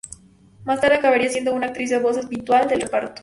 Más tarde acabaría siendo una actriz de voz habitual del reparto.